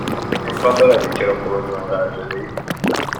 امکان دارد یک چراغ قوه به من قرض بدهید؟